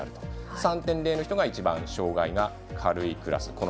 ３．０の人が一番障がいが軽いクラス。